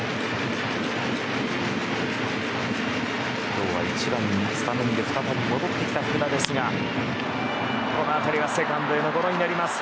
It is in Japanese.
今日は１番にスタメンで再び戻ってきた福田ですがこの当たりはセカンドへのゴロになります。